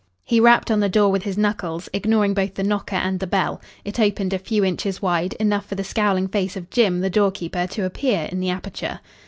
He rapped on the door with his knuckles, ignoring both the knocker and the bell. It opened a few inches wide, enough for the scowling face of Jim the door keeper to appear in the aperture.